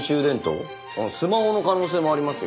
スマホの可能性もありますよ。